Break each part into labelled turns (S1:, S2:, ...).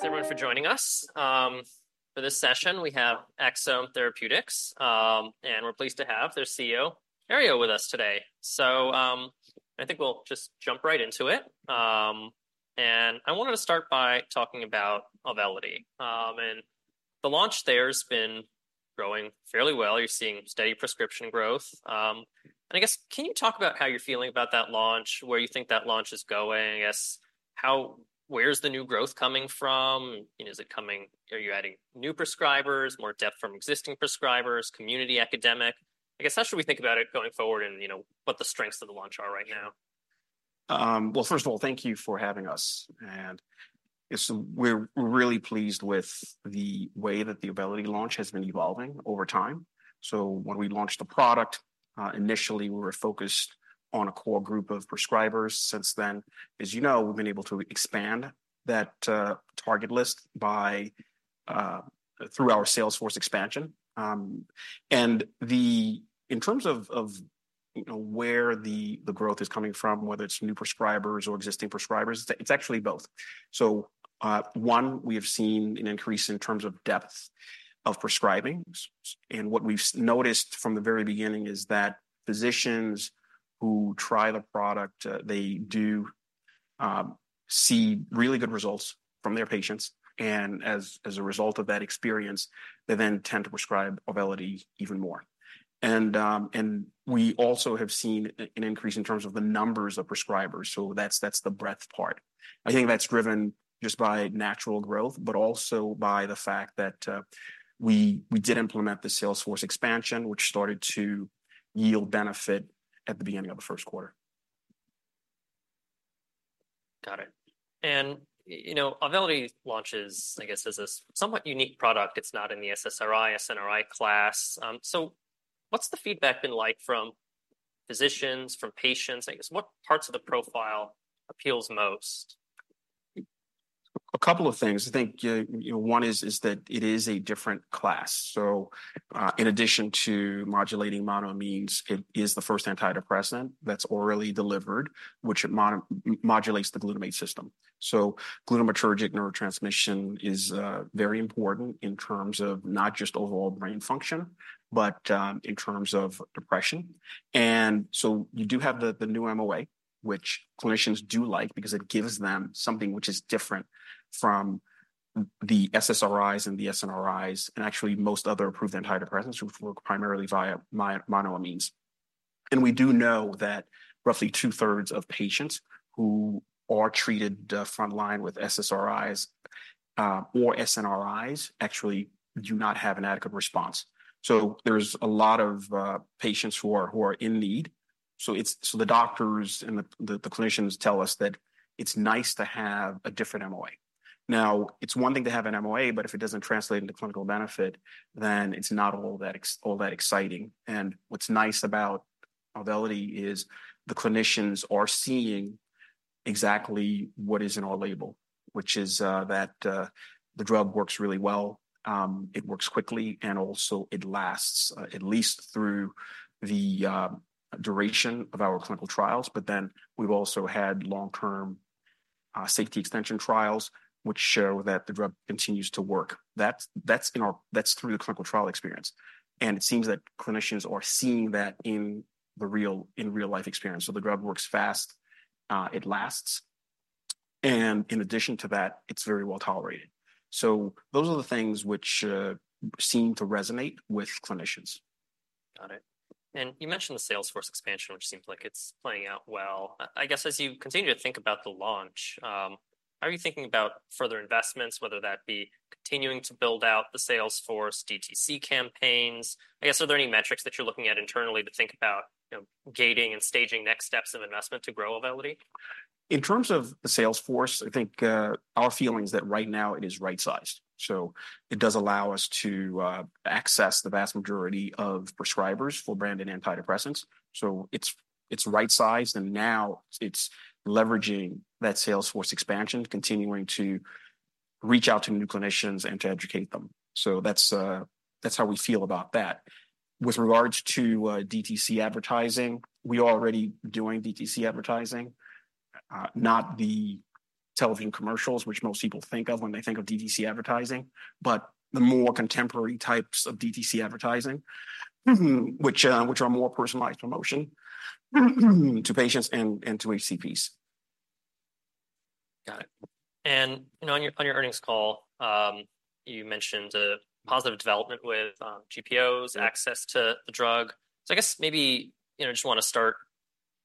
S1: Thanks, everyone, for joining us. For this session we have Axsome Therapeutics, and we're pleased to have their CEO, Herriot, with us today. So, I think we'll just jump right into it. And I wanted to start by talking about Auvelity. And the launch there's been growing fairly well. You're seeing steady prescription growth. And I guess, can you talk about how you're feeling about that launch, where you think that launch is going? I guess, how where's the new growth coming from? You know, is it coming are you adding new prescribers, more depth from existing prescribers, community, academic? I guess, how should we think about it going forward and, you know, what the strengths of the launch are right now?
S2: Well, first of all, thank you for having us. And it's we're really pleased with the way that the Auvelity launch has been evolving over time. So when we launched the product, initially we were focused on a core group of prescribers. Since then, as you know, we've been able to expand that target list by through our sales force expansion. And the, in terms of, you know, where the growth is coming from, whether it's new prescribers or existing prescribers, it's actually both. So, one, we have seen an increase in terms of depth of prescribing. And what we've noticed from the very beginning is that physicians who try the product, they do see really good results from their patients. And as a result of that experience, they then tend to prescribe Auvelity even more. And we also have seen an increase in terms of the numbers of prescribers. So that's the breadth part. I think that's driven just by natural growth, but also by the fact that we did implement the sales force expansion, which started to yield benefit at the beginning of the first quarter.
S1: Got it. And, you know, Auvelity launches, I guess, as a somewhat unique product. It's not in the SSRI, SNRI class. So what's the feedback been like from physicians, from patients? I guess, what parts of the profile appeals most?
S2: A couple of things. I think, you know, one is that it is a different class. So, in addition to modulating monoamine, it is the first antidepressant that's orally delivered, which it modulates the glutamate system. So glutamatergic neurotransmission is, very important in terms of not just overall brain function, but, in terms of depression. And so you do have the new MOA, which clinicians do like because it gives them something which is different from the SSRIs and the SNRIs, and actually most other approved antidepressants, which work primarily via monoamine. And we do know that roughly two-thirds of patients who are treated frontline with SSRIs or SNRIs actually do not have an adequate response. So there's a lot of patients who are in need. So it's the doctors and the clinicians tell us that it's nice to have a different MOA. Now, it's one thing to have an MOA, but if it doesn't translate into clinical benefit, then it's not all that exciting. And what's nice about Auvelity is the clinicians are seeing exactly what is in our label, which is that the drug works really well. It works quickly, and also it lasts, at least through the duration of our clinical trials. But then we've also had long-term safety extension trials, which show that the drug continues to work. That's in our clinical trial experience. And it seems that clinicians are seeing that in real-life experience. So the drug works fast. It lasts. And in addition to that, it's very well tolerated. So those are the things which seem to resonate with clinicians.
S1: Got it. And you mentioned the sales force expansion, which seems like it's playing out well. I guess, as you continue to think about the launch, are you thinking about further investments, whether that be continuing to build out the sales force DTC campaigns? I guess, are there any metrics that you're looking at internally to think about, you know, gating and staging next steps of investment to grow Auvelity?
S2: In terms of the sales force, I think our feeling is that right now it is right-sized. So it does allow us to access the vast majority of prescribers for branded antidepressants. So it's right-sized. And now it's leveraging that sales force expansion, continuing to reach out to new clinicians and to educate them. So that's how we feel about that. With regards to DTC advertising, we are already doing DTC advertising, not the television commercials, which most people think of when they think of DTC advertising, but the more contemporary types of DTC advertising, which are more personalized promotion to patients and to HCPs.
S1: Got it. And, you know, on your earnings call, you mentioned a positive development with GPOs, access to the drug. So I guess maybe, you know, just want to start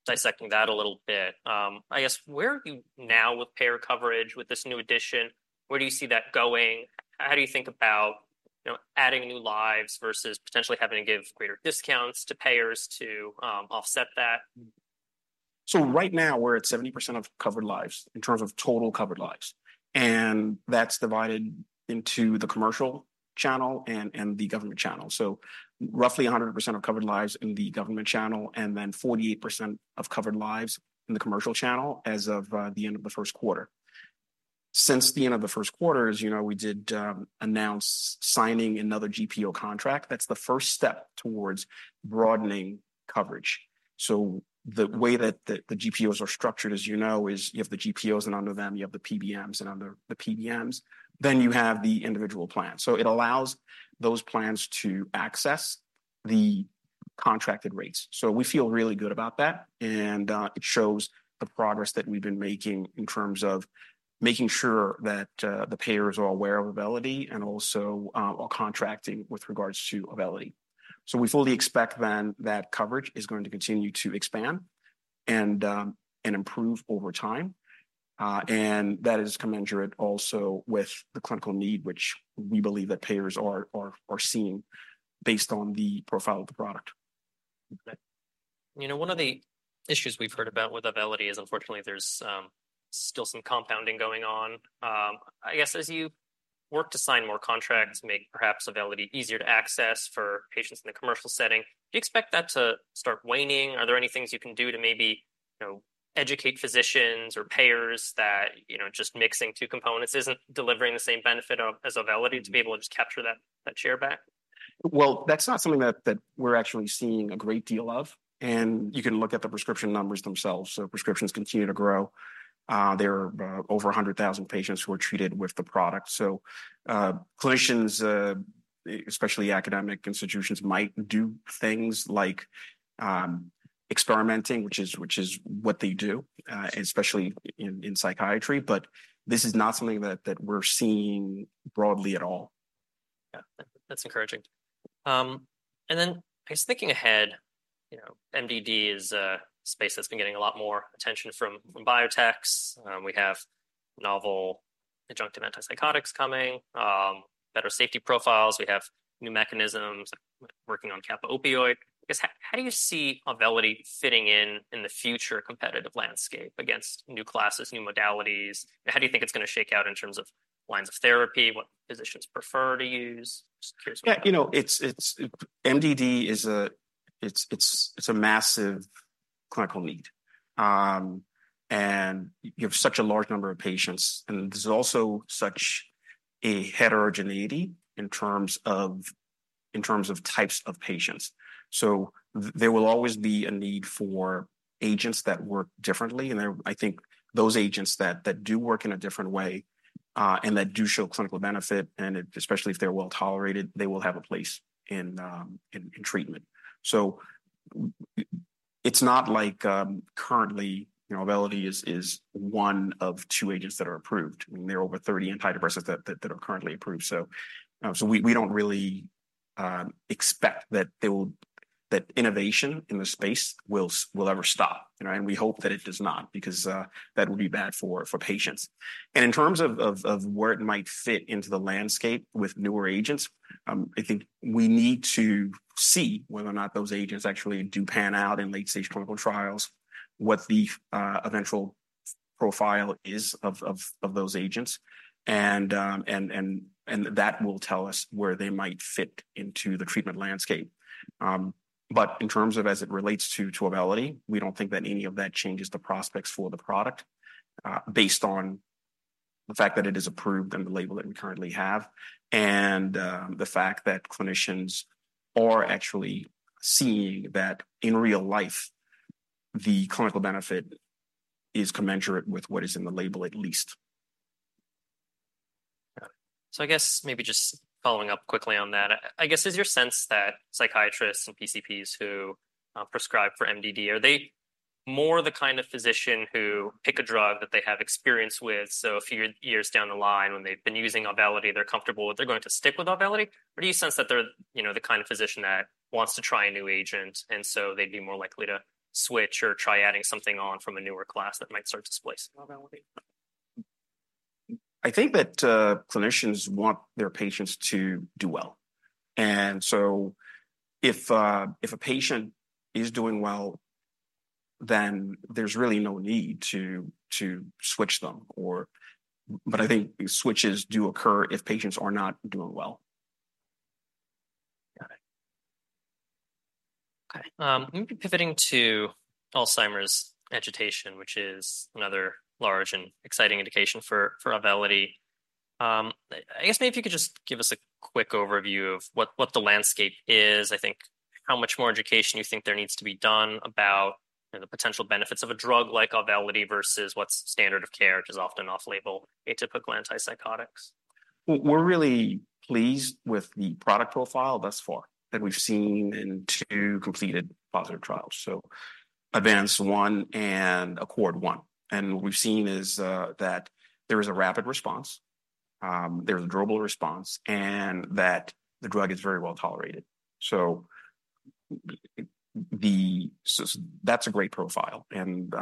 S1: dissecting that a little bit. I guess, where are you now with payer coverage with this new addition? Where do you see that going? How do you think about, you know, adding new lives versus potentially having to give greater discounts to payers to offset that?
S2: So right now we're at 70% of covered lives in terms of total covered lives. That's divided into the commercial channel and the government channel. Roughly 100% of covered lives in the government channel and then 48% of covered lives in the commercial channel as of the end of the first quarter. Since the end of the first quarter, you know, we did announce signing another GPO contract. That's the first step towards broadening coverage. The way that the GPOs are structured, as you know, is you have the GPOs and under them you have the PBMs and under the PBMs, then you have the individual plans. It allows those plans to access the contracted rates. We feel really good about that. It shows the progress that we've been making in terms of making sure that the payers are aware of Auvelity and also are contracting with regards to Auvelity. So we fully expect then that coverage is going to continue to expand and improve over time. And that is commensurate also with the clinical need, which we believe that payers are seeing based on the profile of the product.
S1: Okay. You know, one of the issues we've heard about with Auvelity is, unfortunately, there's still some compounding going on. I guess, as you work to sign more contracts, make perhaps Auvelity easier to access for patients in the commercial setting, do you expect that to start waning? Are there any things you can do to maybe, you know, educate physicians or payers that, you know, just mixing two components isn't delivering the same benefit of as Auvelity to be able to just capture that that share back?
S2: Well, that's not something that we're actually seeing a great deal of. And you can look at the prescription numbers themselves. So prescriptions continue to grow. There are over 100,000 patients who are treated with the product. So, clinicians, especially academic institutions, might do things like experimenting, which is what they do, especially in psychiatry. But this is not something that we're seeing broadly at all.
S1: Yeah, that's encouraging. And then I guess thinking ahead, you know, MDD is a space that's been getting a lot more attention from biotechs. We have novel adjunctive antipsychotics coming, better safety profiles. We have new mechanisms working on kappa opioid. I guess, how do you see Auvelity fitting in in the future competitive landscape against new classes, new modalities? How do you think it's going to shake out in terms of lines of therapy? What physicians prefer to use?
S2: Yeah, you know, it's MDD. It's a massive clinical need. And you have such a large number of patients. And there's also such a heterogeneity in terms of types of patients. So there will always be a need for agents that work differently. And there I think those agents that do work in a different way, and that do show clinical benefit, and especially if they're well tolerated, they will have a place in treatment. So it's not like, currently, you know, Auvelity is one of two agents that are approved. I mean, there are over 30 antidepressants that are currently approved. So we don't really expect that innovation in the space will ever stop, you know, and we hope that it does not because that would be bad for patients. And in terms of where it might fit into the landscape with newer agents, I think we need to see whether or not those agents actually do pan out in late-stage clinical trials, what the eventual profile is of those agents. And that will tell us where they might fit into the treatment landscape. But in terms of as it relates to Auvelity, we don't think that any of that changes the prospects for the product, based on the fact that it is approved and the label that we currently have, and the fact that clinicians are actually seeing that in real life, the clinical benefit is commensurate with what is in the label, at least.
S1: Got it. So I guess maybe just following up quickly on that, I guess, is your sense that psychiatrists and PCPs who prescribe for MDD are they more the kind of physician who pick a drug that they have experience with? So a few years down the line, when they've been using Auvelity, they're comfortable with, they're going to stick with Auvelity. Or do you sense that they're, you know, the kind of physician that wants to try a new agent, and so they'd be more likely to switch or try adding something on from a newer class that might start displacing Auvelity?
S2: I think that clinicians want their patients to do well. And so if a patient is doing well, then there's really no need to switch them, but I think switches do occur if patients are not doing well.
S1: Got it. Okay. Maybe pivoting to Alzheimer's agitation, which is another large and exciting indication for Auvelity. I guess maybe if you could just give us a quick overview of what the landscape is, I think, how much more education you think there needs to be done about, you know, the potential benefits of a drug like Auvelity versus what's standard of care, which is often off-label atypical antipsychotics.
S2: We're really pleased with the product profile thus far that we've seen in two completed positive trials. So ADVANCE-1 and ACCORD-1. And what we've seen is, that there is a rapid response. There's a durable response and that the drug is very well tolerated. So that's a great profile and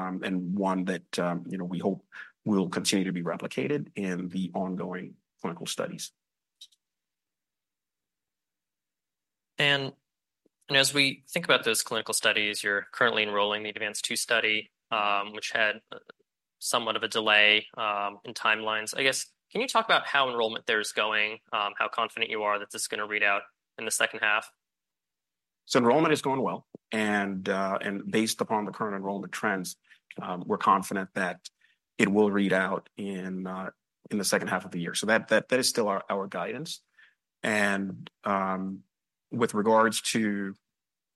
S2: one that, you know, we hope will continue to be replicated in the ongoing clinical studies.
S1: You know, as we think about those clinical studies, you're currently enrolling the ADVANCE-2 study, which had somewhat of a delay in timelines. I guess, can you talk about how enrollment there's going, how confident you are that this is going to read out in the second half?
S2: So enrollment is going well and based upon the current enrollment trends, we're confident that it will read out in the second half of the year. So that is still our guidance. And with regards to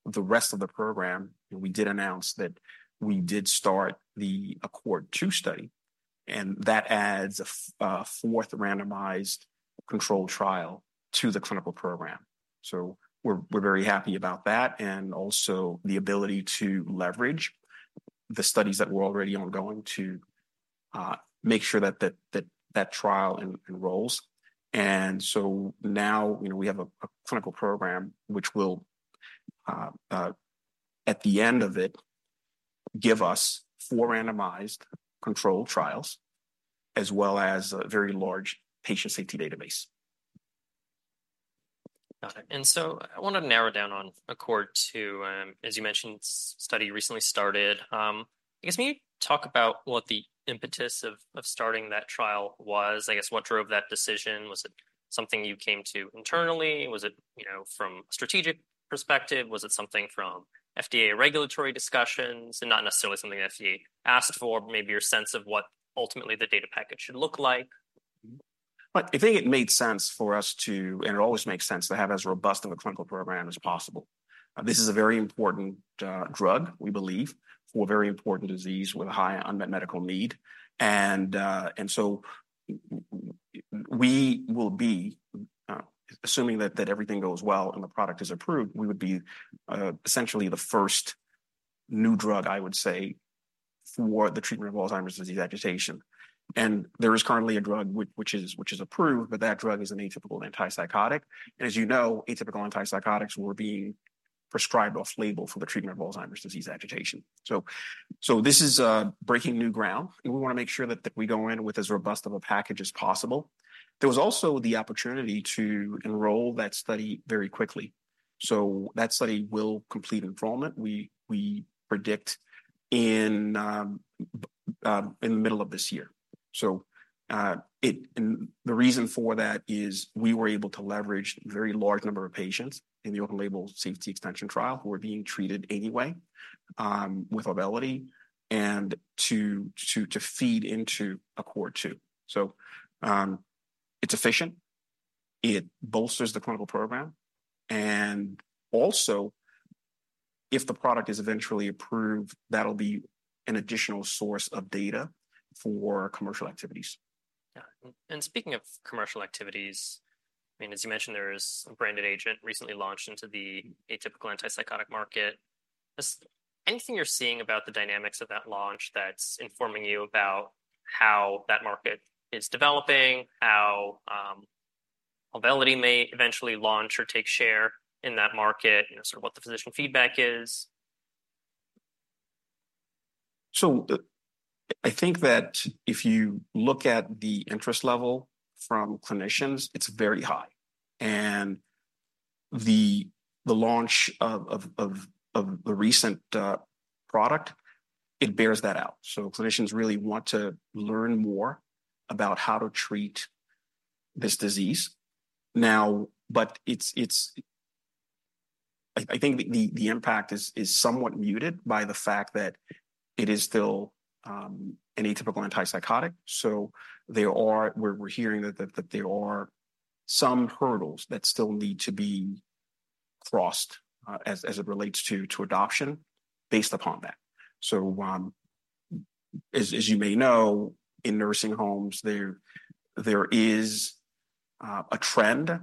S2: the rest of the program, you know, we did announce that we did start the ACCORD-2 study. And that adds a fourth randomized controlled trial to the clinical program. So we're very happy about that and also the ability to leverage the studies that were already ongoing to make sure that trial enrolls. And so now, you know, we have a clinical program which will, at the end of it, give us four randomized controlled trials as well as a very large patient safety database.
S1: Got it. And so I want to narrow down on ACCORD-2, as you mentioned, study recently started. I guess, can you talk about what the impetus of starting that trial was? I guess, what drove that decision? Was it something you came to internally? Was it, you know, from a strategic perspective? Was it something from FDA regulatory discussions and not necessarily something the FDA asked for, but maybe your sense of what ultimately the data package should look like?
S2: I think it made sense for us to, and it always makes sense to have as robust of a clinical program as possible. This is a very important drug, we believe, for a very important disease with a high unmet medical need. And so we will be, assuming that everything goes well and the product is approved, we would be essentially the first new drug, I would say, for the treatment of Alzheimer's disease agitation. And there is currently a drug which is approved, but that drug is an atypical antipsychotic. And as you know, atypical antipsychotics were being prescribed off-label for the treatment of Alzheimer's disease agitation. So this is a breaking new ground. And we want to make sure that we go in with as robust of a package as possible. There was also the opportunity to enroll that study very quickly. So that study will complete enrollment. We predict in the middle of this year. So, it and the reason for that is we were able to leverage a very large number of patients in the open label safety extension trial who were being treated anyway, with Auvelity and to feed into ACCORD-2. So, it's efficient. It bolsters the clinical program. And also, if the product is eventually approved, that'll be an additional source of data for commercial activities.
S1: Got it. And speaking of commercial activities, I mean, as you mentioned, there is a branded agent recently launched into the atypical antipsychotic market. Is anything you're seeing about the dynamics of that launch that's informing you about how that market is developing, how, Auvelity may eventually launch or take share in that market, you know, sort of what the physician feedback is?
S2: So I think that if you look at the interest level from clinicians, it's very high. The launch of the recent product bears that out. So clinicians really want to learn more about how to treat this disease. But it's I think the impact is somewhat muted by the fact that it is still an atypical antipsychotic. So we're hearing that there are some hurdles that still need to be crossed, as it relates to adoption based upon that. So, as you may know, in nursing homes, there is a trend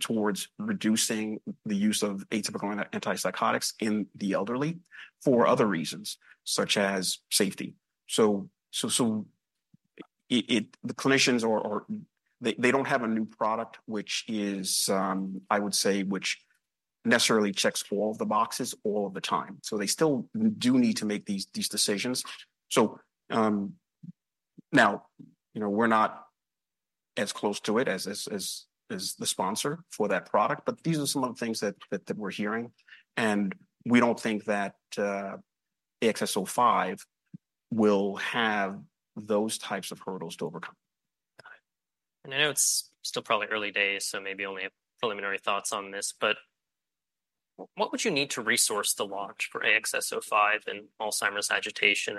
S2: towards reducing the use of atypical antipsychotics in the elderly for other reasons, such as safety. So, the clinicians, they don't have a new product which is, I would say, which necessarily checks all of the boxes all of the time. So they still do need to make these decisions. So, now, you know, we're not as close to it as the sponsor for that product, but these are some of the things that we're hearing. And we don't think that AXS-05 will have those types of hurdles to overcome.
S1: Got it. And I know it's still probably early days, so maybe only preliminary thoughts on this, but what would you need to resource the launch for AXS-05 and Alzheimer's agitation?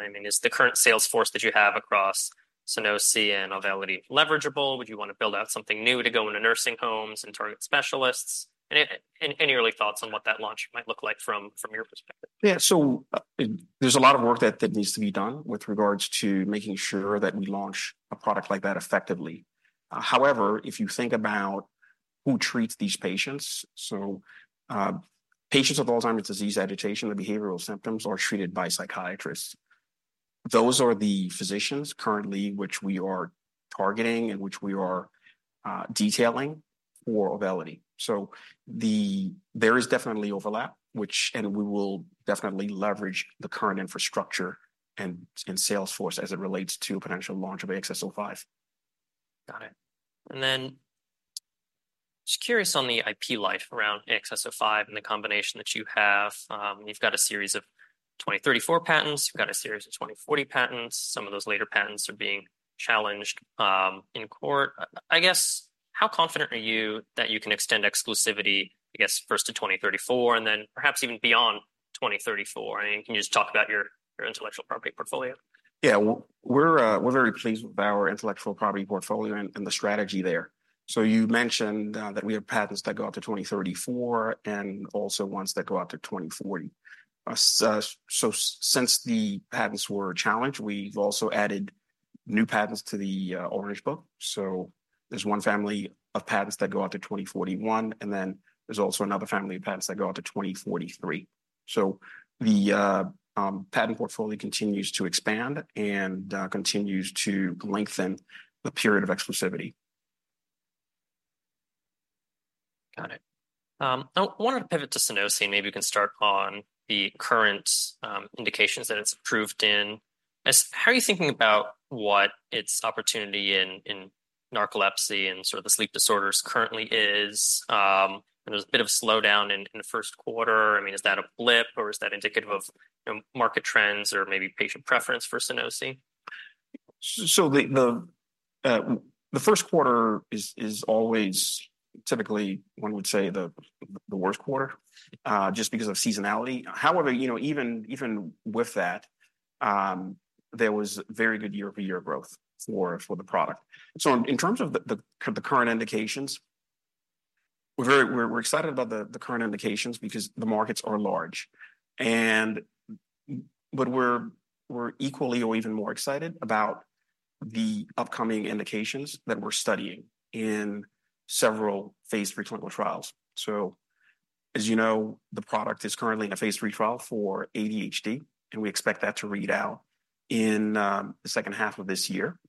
S1: I mean, is the current salesforce that you have across Sunosi and Auvelity leverageable? Would you want to build out something new to go into nursing homes and target specialists? And any early thoughts on what that launch might look like from your perspective?
S2: Yeah, so there's a lot of work that needs to be done with regards to making sure that we launch a product like that effectively. However, if you think about who treats these patients, so, patients with Alzheimer's disease agitation, the behavioral symptoms are treated by psychiatrists. Those are the physicians currently which we are targeting and which we are detailing for Auvelity. So there is definitely overlap, which we will definitely leverage the current infrastructure and sales force as it relates to a potential launch of AXS-05.
S1: Got it. And then just curious on the IP life around AXS-05 and the combination that you have. You've got a series of 2034 patents. You've got a series of 2040 patents. Some of those later patents are being challenged in court. I guess, how confident are you that you can extend exclusivity, I guess, first to 2034 and then perhaps even beyond 2034? I mean, can you just talk about your intellectual property portfolio?
S2: Yeah, we're very pleased with our intellectual property portfolio and the strategy there. So you mentioned that we have patents that go out to 2034 and also ones that go out to 2040. So since the patents were challenged, we've also added new patents to the Orange Book. So there's one family of patents that go out to 2041, and then there's also another family of patents that go out to 2043. So the patent portfolio continues to expand and continues to lengthen the period of exclusivity.
S1: Got it. I wanted to pivot to Sunosi. Maybe you can start on the current indications that it's approved in. I guess, how are you thinking about what its opportunity in narcolepsy and sort of the sleep disorders currently is? There's a bit of a slowdown in the first quarter. I mean, is that a blip or is that indicative of, you know, market trends or maybe patient preference for Sunosi?
S2: So the first quarter is always typically one would say the worst quarter, just because of seasonality. However, you know, even with that, there was very good year-over-year growth for the product. So in terms of the current indications, we're very excited about the current indications because the markets are large. But we're equally or even more excited about the upcoming indications that we're studying in several phase III clinical trials. So as you know, the product is currently in a phase III trial for ADHD, and we expect that to read out in the second half of this year.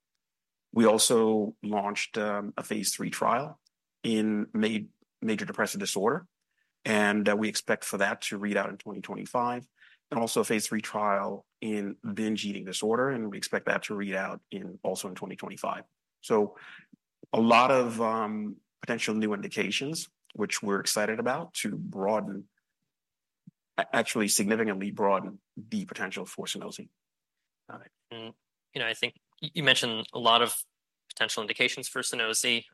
S2: We also launched a phase III trial in major depressive disorder, and we expect for that to read out in 2025. Also a phase III trial in binge eating disorder, and we expect that to read out in 2025. So a lot of potential new indications, which we're excited about, to actually significantly broaden the potential for Sunosi.
S1: Got it. And, you know, I think you mentioned a lot of potential indications for Sunosi.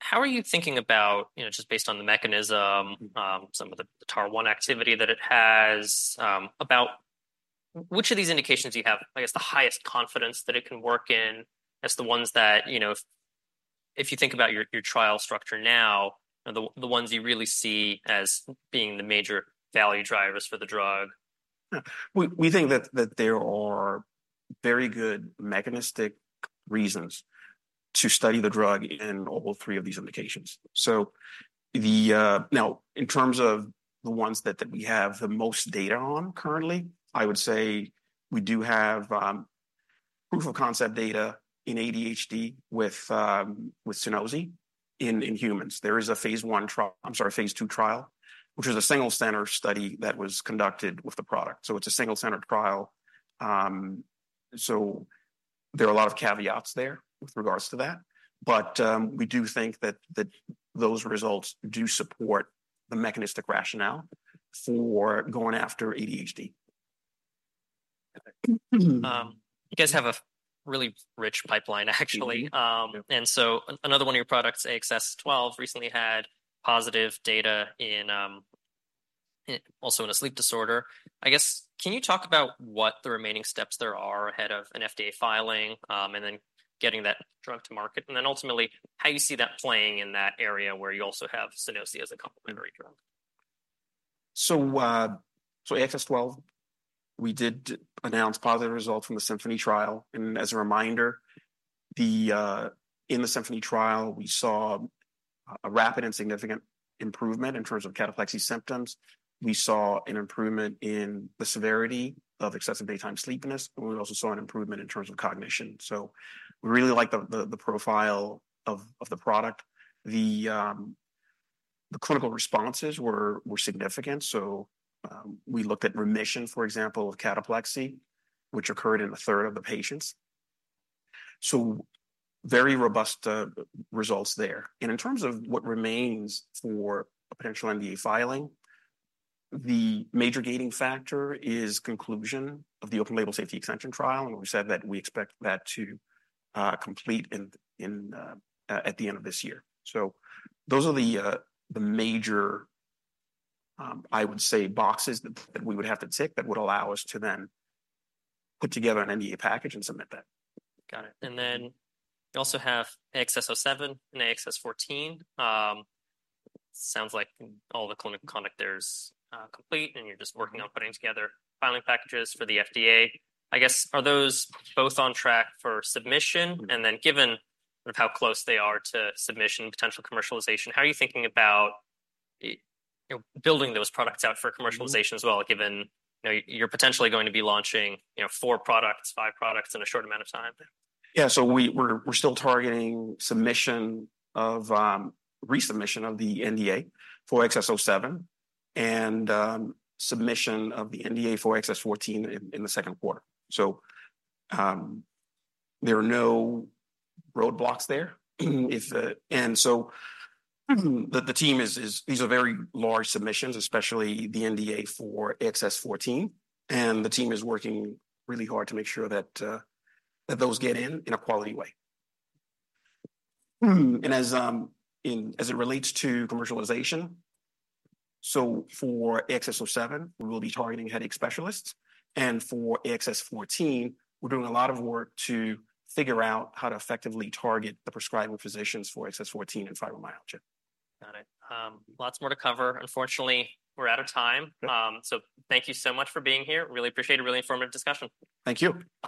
S1: How are you thinking about, you know, just based on the mechanism, some of the TAAR1 activity that it has, about which of these indications do you have, I guess, the highest confidence that it can work in as the ones that, you know, if you think about your trial structure now, you know, the ones you really see as being the major value drivers for the drug?
S2: We think that there are very good mechanistic reasons to study the drug in all three of these indications. So now, in terms of the ones that we have the most data on currently, I would say we do have proof of concept data in ADHD with Sunosi in humans. There is a phase I trial, I'm sorry, phase II trial, which was a single-center study that was conducted with the product. So it's a single-center trial. So there are a lot of caveats there with regards to that. But we do think that those results do support the mechanistic rationale for going after ADHD.
S1: Got it. You guys have a really rich pipeline, actually. And so another one of your products, AXS-12, recently had positive data in, also in a sleep disorder. I guess, can you talk about what the remaining steps there are ahead of an FDA filing, and then getting that drug to market, and then ultimately how you see that playing in that area where you also have Sunosi as a complementary drug?
S2: So, AXS-12, we did announce positive results from the SYMPHONY trial. And as a reminder, in the SYMPHONY trial, we saw a rapid and significant improvement in terms of cataplexy symptoms. We saw an improvement in the severity of excessive daytime sleepiness. And we also saw an improvement in terms of cognition. So we really like the profile of the product. The clinical responses were significant. So, we looked at remission, for example, of cataplexy, which occurred in a third of the patients. So very robust results there. And in terms of what remains for a potential NDA filing, the major gating factor is conclusion of the open label safety extension trial. And we said that we expect that to complete in at the end of this year. So those are the major, I would say, boxes that we would have to tick that would allow us to then put together an NDA package and submit that.
S1: Got it. And then you also have AXS-07 and AXS-14. Sounds like all the clinical conduct there is complete and you're just working on putting together filing packages for the FDA. I guess, are those both on track for submission? And then given sort of how close they are to submission, potential commercialization, how are you thinking about, you know, building those products out for commercialization as well, given, you know, you're potentially going to be launching, you know, four products, five products in a short amount of time?
S2: Yeah, so we're still targeting resubmission of the NDA for AXS-07 and submission of the NDA for AXS-14 in the second quarter. So, there are no roadblocks there. And so the team is. These are very large submissions, especially the NDA for AXS-14. And the team is working really hard to make sure that those get in in a quality way. And as it relates to commercialization, so for AXS-07, we will be targeting headache specialists. And for AXS-14, we're doing a lot of work to figure out how to effectively target the prescribing physicians for AXS-14 and fibromyalgia.
S1: Got it. Lots more to cover. Unfortunately, we're out of time. So thank you so much for being here. Really appreciate a really informative discussion.
S2: Thank you.